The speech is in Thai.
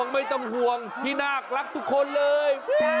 ไม่ต้องห่วงพี่นาครักทุกคนเลย